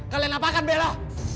kalian apakan bella